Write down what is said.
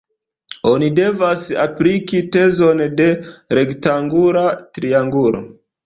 Oni devas apliki tezon de rektangula triangulo.